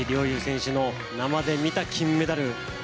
侑選手の生で見た金メダル。